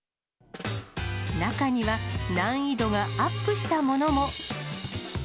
中には、難易度がアップしたものも。